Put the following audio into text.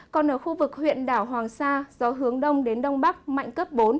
còn ở khu vực huyện đảo hoàng sa gió hướng đông đến đông bắc mạnh cấp bốn